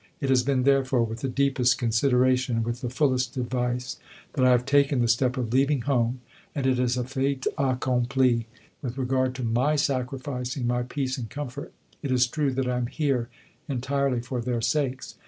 It has been, therefore, with the deepest consideration and with the fullest advice that I have taken the step of leaving home, and it is a fait accompli. With regard to "my sacrificing my peace and comfort," it is true that I am here entirely for their sakes.